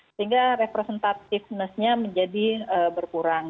sehingga representativenessnya menjadi berkurang